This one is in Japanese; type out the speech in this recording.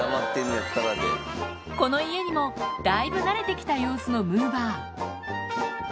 この家にもだいぶなれてきた様子のむぅばあ